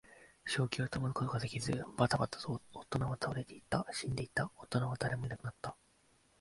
正気を保つことができず、ばたばたと大人は倒れていった。死んでいった。大人は誰もいなくなった。